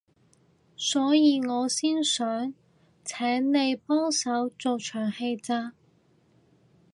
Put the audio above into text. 所以我先想請你幫手做場戲咋